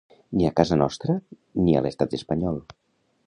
Ni a casa nostra, ni a l'Estat espanyol.